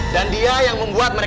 dan dia yang membuatku terhutang